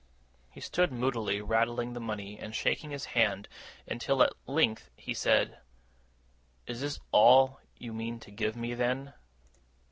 He stood moodily rattling the money, and shaking his head, until at length he said: 'Is this all you mean to give me, then?